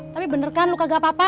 tapi bener kan lu kagak apa apa